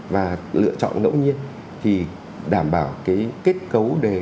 và lựa chọn ngẫu nhiên thì đảm bảo cái kết cấu đề